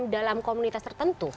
dalam komunitas tertentu